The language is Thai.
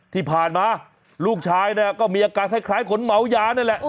ที่ผ่านมาลูกชายเนี่ยก็มีอาการคล้ายคนเมายานั่นแหละ